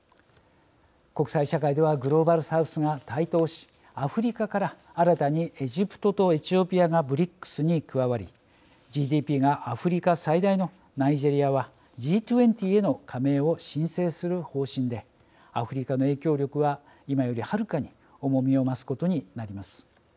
国際社会ではグローバル・サウスが台頭しアフリカから新たにエジプトとエチオピアがＢＲＩＣＳに加わりＧＤＰがアフリカ最大のナイジェリアはＧ２０への加盟を申請する方針でアフリカの影響力は今よりはるかに重みを増すことになります。